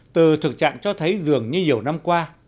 từ thực trạng cho thấy dường như nhiều năm qua